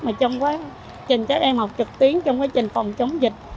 mà trong quá trình các em học trực tiến trong quá trình phòng chống dịch